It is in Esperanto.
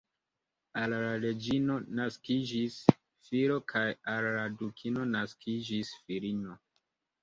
Al la reĝino naskiĝis filo kaj al la dukino naskiĝis filino.